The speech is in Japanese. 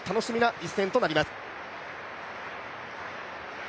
一戦となります。